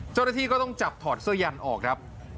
เจ้าหน้าที่ก็ต้องจับถอดเสื้อยันออกครับ